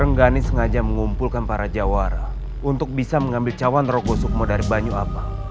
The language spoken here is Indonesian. rengganis sengaja mengumpulkan para jawara untuk bisa mengambil cawan rogo sukmo dari banyu abang